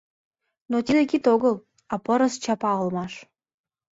Но тиде кид огыл, а пырыс чапа улмаш.